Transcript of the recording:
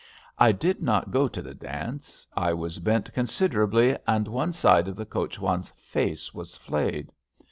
I did not go to the dance. I was bent considerably, and one side of the coach wan's face was flayed.